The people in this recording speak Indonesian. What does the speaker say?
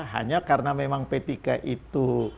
hanya karena memang p tiga itu